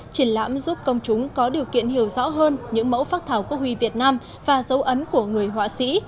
triển lãm giúp công chúng có điều kiện hiểu rõ hơn những mẫu phác thảo quốc hủy việt nam và dấu ấn của người họa sĩ